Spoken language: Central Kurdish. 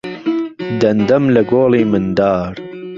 دەندهم له گۆڵی مندار